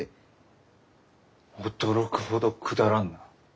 驚くほどくだらんな。